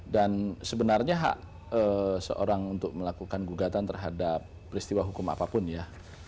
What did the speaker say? dan sebenarnya hak seorang untuk melakukan gugatan terhadap peristiwa hukum apapun ya